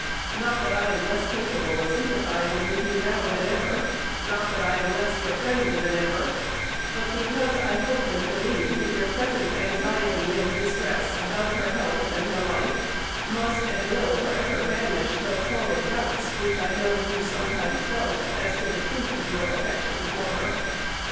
Not that I am less capable of sympathizing with you now than ever, not that I am less your friend than ever, but because I hope and believe that your present anxiety and distress about her health and her life must and will forever banish those horrid doubts which I know you sometimes felt as to the truth of your affection for her.